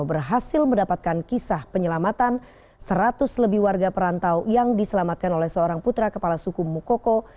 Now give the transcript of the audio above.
berhasil mendapatkan kisah penyelamatan seratus lebih warga perantau yang diselamatkan oleh seorang putra kepala suku mukoko